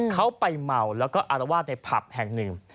เขาไปเมาแล้วก็อารวาสในผับแห่งหนึ่ง